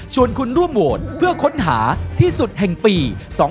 คุณร่วมโหวตเพื่อค้นหาที่สุดแห่งปี๒๕๖